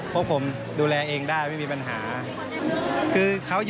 พวกผมดูแลเองได้ไม่มีปัญหา